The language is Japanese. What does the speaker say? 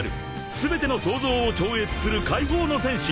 ［全ての想像を超越する解放の戦士